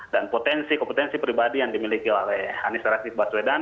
dan potensi kompetensi pribadi yang dimiliki oleh anies rasif baswedan